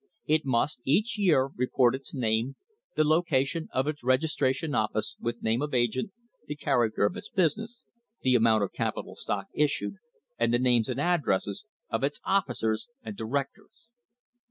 It must each year report its name, the location of its registration office, with name of agent, the character of its business, the amount of capital stock issued, and the names and addresses of its officers and directors!